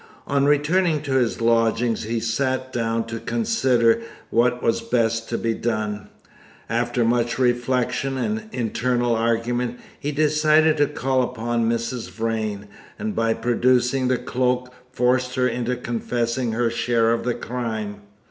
On returning to his lodgings he sat down to consider what was best to be done. After much reflection and internal argument, he decided to call upon Mrs. Vrain, and by producing the cloak, force her into confessing her share of the crime.